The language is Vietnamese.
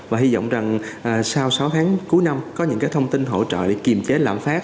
và hy vọng rằng sau sáu tháng cuối năm có những thông tin hỗ trợ để kiềm chế lạm phát